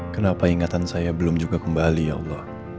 kenapa ingatan saya belum juga kembali ya allah